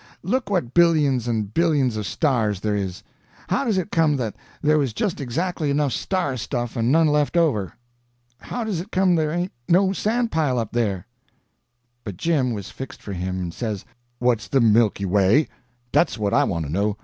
Look what billions and billions of stars there is. How does it come that there was just exactly enough star stuff, and none left over? How does it come there ain't no sand pile up there?" But Jim was fixed for him and says: "What's de Milky Way?—dat's what I want to know.